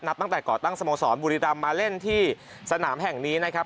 ตั้งแต่ก่อตั้งสโมสรบุรีรำมาเล่นที่สนามแห่งนี้นะครับ